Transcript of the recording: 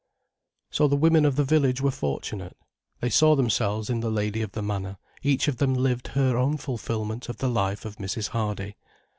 So the women of the village were fortunate. They saw themselves in the lady of the manor, each of them lived her own fulfilment of the life of Mrs. Hardy.